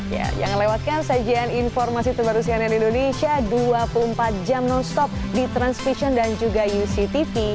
ya jangan lewatkan sajian informasi terbaru cnn indonesia dua puluh empat jam non stop di transvision dan juga uctv